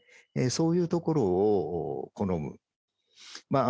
そういうところを好むまあ